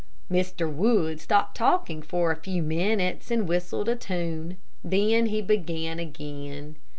Mr. Wood stopped talking for a few minutes, and whistled a tune. Then he began again.